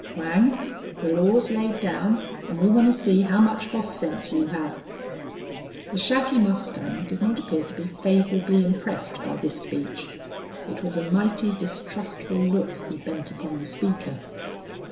"Whang, the law's laid down an' we wanta see how much hoss sense you hev." The shaggy mustang did not appear to be favorably impressed by this speech. It was a mighty distrustful look he bent upon the speaker.